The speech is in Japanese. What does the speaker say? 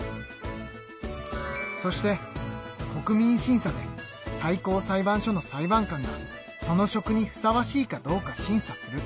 そして国民審査で最高裁判所の裁判官がその職にふさわしいかどうか審査する。